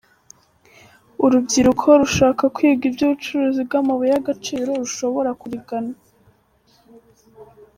Urubyiruko rushaka kwiga iby’ubucukuzi bw’amabuye y’agaciro rushobora kurigana.